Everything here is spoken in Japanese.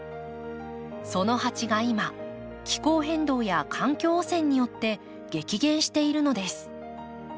そのハチが今気候変動や環境汚染によって激減しているのです。